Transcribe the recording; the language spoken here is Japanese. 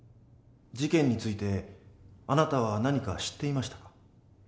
事件についてあなたは何か知っていましたか？